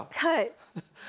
はい。